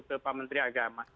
ke pak menteri agama